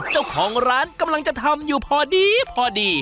เจ้าของร้านกำลังจะทำอยู่พอดีพอดี